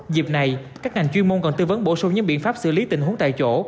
dịp này các ngành chuyên môn còn tư vấn bổ sung những biện pháp xử lý tình huống tại chỗ